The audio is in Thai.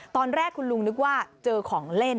ตอนแรกคุณลุงนึกว่าเจอของเล่น